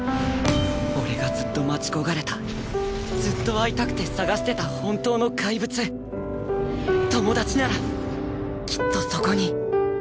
俺がずっと待ち焦がれたずっと会いたくて探してた本当のかいぶつともだちならきっとそこに